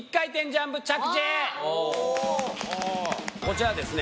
こちらはですね